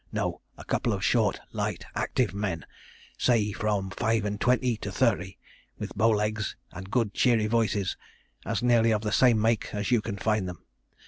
No; a couple of short, light, active men say from five and twenty to thirty, with bow legs and good cheery voices, as nearly of the same make as you can find them.